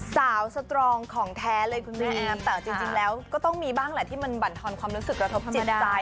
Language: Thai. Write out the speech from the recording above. สตรองของแท้เลยคุณแม่แอมแต่จริงแล้วก็ต้องมีบ้างแหละที่มันบรรทอนความรู้สึกกระทบจิตใจ